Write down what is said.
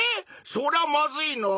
そりゃまずいのぉ。